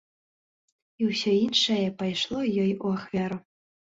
І ўсё іншае пайшло ёй у ахвяру.